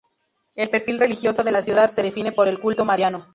El perfil religioso de la ciudad se define por el culto mariano.